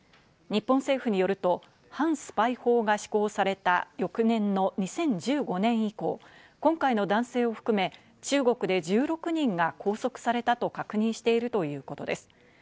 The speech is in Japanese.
日本政府によると、反スパイ法が施行された翌年の２０１５年以降、今回の男性を含め、中国で１６人が拘束されたと確認しているということです。